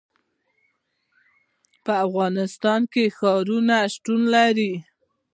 په افغانستان کې ښارونه شتون لري.